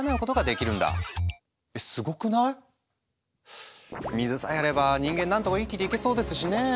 すごくない⁉水さえあれば人間何とか生きていけそうですしねぇ。